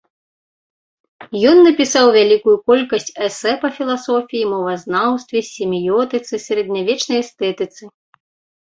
Ён напісаў вялікую колькасць эсэ па філасофіі, мовазнаўстве, семіётыцы, сярэднявечнай эстэтыцы.